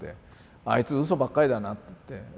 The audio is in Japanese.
「あいつうそばっかりだな」って。